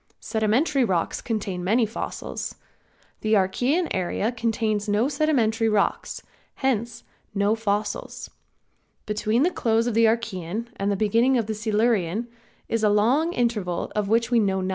Sedimentary rocks contain many fossils. The Archaean area contains no sedimentary rocks, hence no fossils. Between the close of the Archaean and beginning of the Silurian is a long interval of which we know nothing.